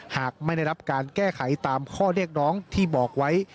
หากไม่ได้รับการแก้ไขตามข้อเรียกร้องที่บอกไว้